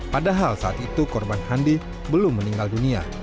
padahal saat itu korban handi belum meninggal dunia